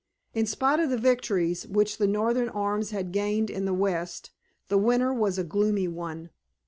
In spite of the victories which the Northern arms had gained in the West the winter was a gloomy one.